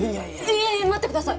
いやいや待ってください。